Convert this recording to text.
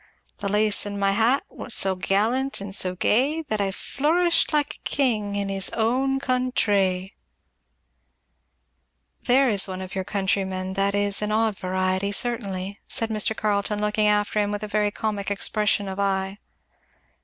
The lace in my hat was so gallant and so gay, That I flourished like a king in his own coun_tray_." "There is one of your countrymen that is an odd variety, certainly," said Mr. Carleton, looking after him with a very comic expression of eye.